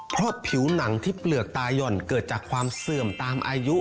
เพราะผิวหนังที่เปลือกตาย่อนเกิดจากความเสื่อมตามอายุ